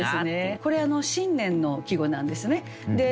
これ新年の季語なんですね。